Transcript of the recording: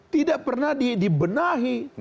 tidak pernah dibenahi